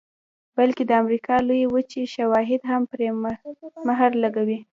بلکې د امریکا لویې وچې شواهد هم پرې مهر لګوي